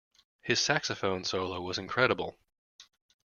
His saxophone solo was incredible.